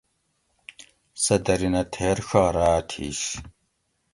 سہ دھرینہ تھیر ڛا راۤت ھِیش